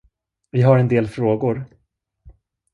Vi har en del frågor.